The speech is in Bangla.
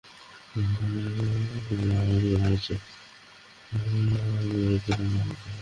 গাড়িতে উঠো, সোনা।